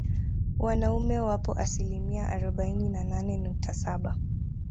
Wanaume wapo asilimia arobaini na nane nukta saba